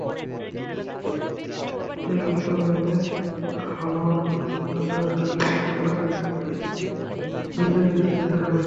এএপির তহবিলে হাওয়ালা মারফত কালোটাকা আসার অভিযোগ তোলা বিজেপির চতুর্থ ভুল।